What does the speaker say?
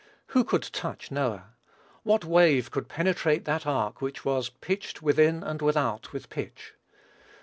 Who could touch Noah? What wave could penetrate that ark which was "pitched within and without with pitch?"